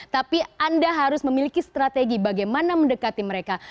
tapi anda harus memiliki strategi bagaimana mendekati mereka